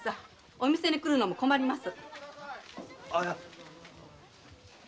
お店に来るのも困ります。